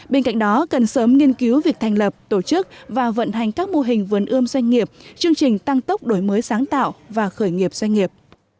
bên cạnh đó cần sớm nghiên cứu việc thành lập tổ chức và vận hành các mô hình vườn ươm doanh nghiệp chương trình tăng tốc đổi mới sáng tạo và khởi nghiệp doanh nghiệp